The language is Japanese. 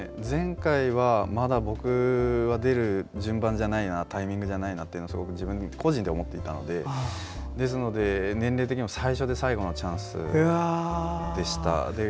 前回は、まだ僕は出る順番じゃないなタイミングじゃないなと個人で思っていたのでですので、年齢的にも最初で最後のチャンスでした。